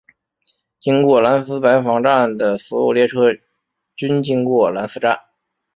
经过兰斯白房站的所有列车均经过兰斯站。